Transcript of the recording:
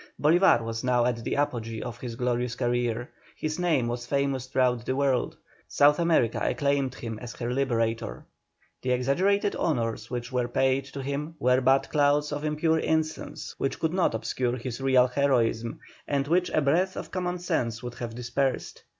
Bolívar was now at the apogee of his glorious career, his name was famous throughout the world, South America acclaimed him as her Liberator. The exaggerated honours which were paid to him were but clouds of impure incense which could not obscure his real heroism, and which a breath of common sense would have dispersed.